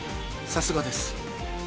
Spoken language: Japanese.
さすがです。